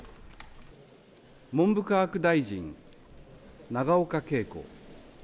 文部科学大臣、永岡桂子。